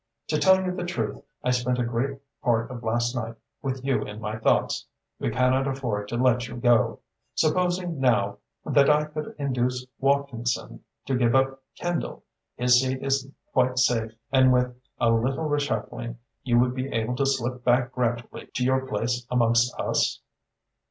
To tell you the truth, I spent a great part of last night with you in my thoughts. We cannot afford to let you go. Supposing, now, that I could induce Watkinson to give up Kendal? His seat is quite safe and with a little reshuffling you would be able to slip back gradually to your place amongst us?"